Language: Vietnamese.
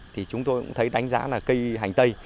thì chúng tôi cũng thấy đánh giá là cây hành tây